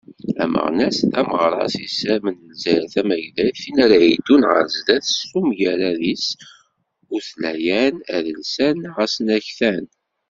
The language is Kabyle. Ameɣnas d ameɣras, yessarmen Lezzayer tamagdayt, tin ara yeddun ɣer sdat s umgarad-is utlayan adelsan neɣ asnaktan.